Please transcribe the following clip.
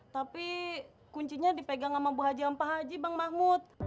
tapi kuncinya dipegang sama bu haji ampah haji bang mahmud